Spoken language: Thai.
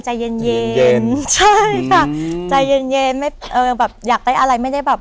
ใจเย็นเย็นใช่ค่ะใจเย็นเย็นไม่เออแบบอยากได้อะไรไม่ได้แบบ